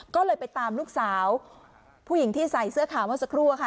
ก็เลยไปตามลูกสาวผู้หญิงที่ใส่เสื้อขาวเมื่อสักครู่ค่ะ